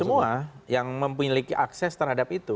semua yang memiliki akses terhadap itu